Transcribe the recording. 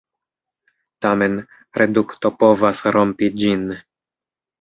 Tamen, redukto povas rompi ĝin.